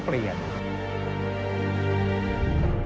การปลักหนันให้อาชีพให้บริการทางเพศถูกกฎหมายนั้น